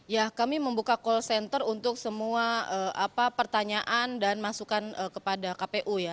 ya kami membuka call center untuk semua pertanyaan dan masukan kepada kpu ya